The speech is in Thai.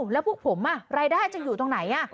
แล้วพวกผมรายได้จะอยู่ตรงไหน